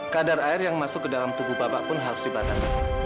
kadar air yang masuk ke dalam tubuh bapak pun harus dibatasi